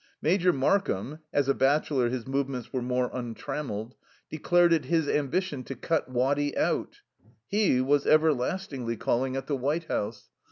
Major Markham as a bachelor his movements were more untrammelled declared it his ambition to "cut Waddy out." He was everlastingly calling at the White House.